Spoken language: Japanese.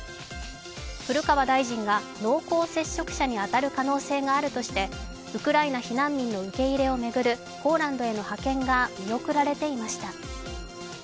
古川大臣が濃厚接触者に当たる可能性があるとしてウクライナ避難民の受け入れを巡るポーランドへの派遣が見送られていました。